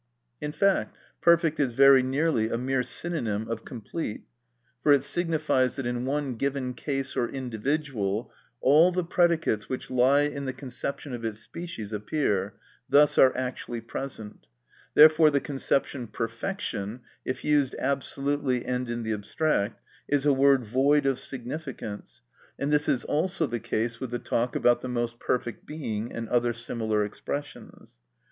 In fact "perfect" is very nearly a mere synonym of "complete," for it signifies that in one given case or individual, all the predicates which lie in the conception of its species appear, thus are actually present. Therefore the conception "perfection," if used absolutely and in the abstract, is a word void of significance, and this is also the case with the talk about the "most perfect being," and other similar expressions.